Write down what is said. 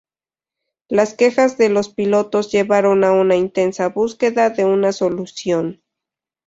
Las quejas de los pilotos llevaron a una intensa búsqueda de una solución.